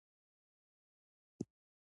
بالا: